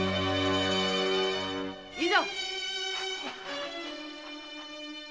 いざ！